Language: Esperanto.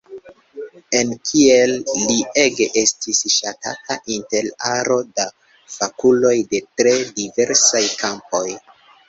En Kiel li ege estis ŝatata inter aro da fakuloj de tre diversaj kampoj.